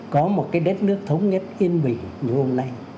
có một cái đất nước thống nhất yên bình như hôm nay